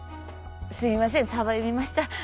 すいませんさば読みました。